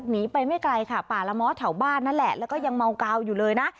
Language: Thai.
หนีไปไม่ไกลค่ะป่าละม้อแถวบ้านนั่นแหละแล้วก็ยังเมากาวอยู่เลยนะ